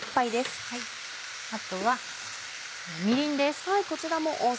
あとはみりんです。